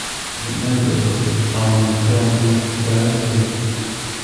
Pleasant neighborhood on the southeast side of Cleveland.